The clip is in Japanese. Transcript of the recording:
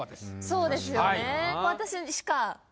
そうですよね。